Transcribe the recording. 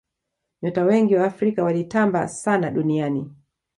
nyota wengi wa afrika walitamba sana duniani